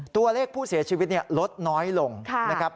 ตัวเลขผู้เสียชีวิตลดน้อยลงนะครับ